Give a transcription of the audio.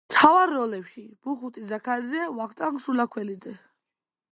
მთავარ როლებში: ბუხუტი ზაქარიაძე, ვახტანგ სულაქველიძე.